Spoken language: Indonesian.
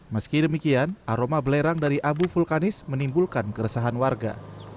meski demikian aroma belerang dari abu vulkanis menimbulkan keresahan warga